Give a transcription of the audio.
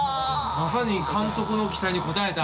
まさに監督の期待に応えた。